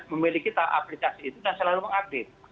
memiliki aplikasi itu dan selalu mengupdate